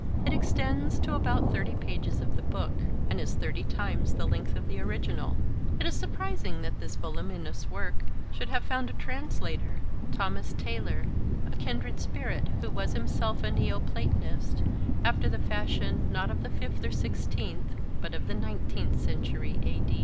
It extends to about thirty pages of the book, and is thirty times the length of the original. It is surprising that this voluminous work should have found a translator (Thomas Taylor, a kindred spirit, who was himself a Neo Platonist, after the fashion, not of the fifth or sixteenth, but of the nineteenth century A.